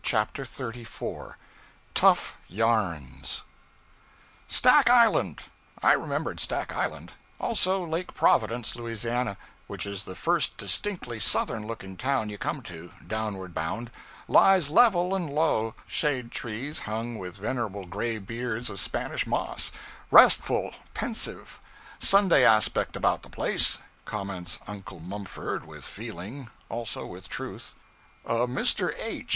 CHAPTER 34 Tough Yarns STACK island. I remembered Stack Island; also Lake Providence, Louisiana which is the first distinctly Southern looking town you come to, downward bound; lies level and low, shade trees hung with venerable gray beards of Spanish moss; 'restful, pensive, Sunday aspect about the place,' comments Uncle Mumford, with feeling also with truth. A Mr. H.